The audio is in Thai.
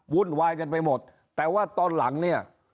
วุ่นวายกันไปหมดแต่ว่าตอนหลังเนี่ย